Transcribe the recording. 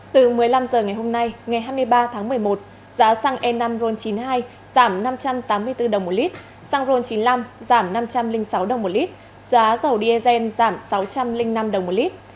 từ một mươi năm h ngày hôm nay ngày hai mươi ba tháng một mươi một giá xăng e năm ron chín mươi hai giảm năm trăm tám mươi bốn đồng một lít xăng ron chín mươi năm giảm năm trăm linh sáu đồng một lít giá dầu diesel giảm sáu trăm linh năm đồng một lít